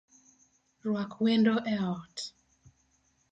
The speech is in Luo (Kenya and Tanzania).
Rwak wendo e ot